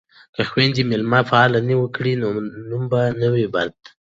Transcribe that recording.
که خویندې میلمه پالنه وکړي نو نوم به نه وي بد.